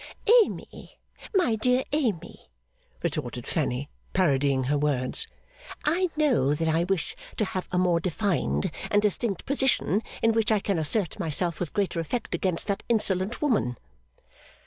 'Amy, my dear Amy,' retorted Fanny, parodying her words, 'I know that I wish to have a more defined and distinct position, in which I can assert myself with greater effect against that insolent woman.